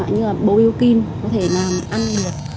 như bầu yêu kim có thể làm ăn được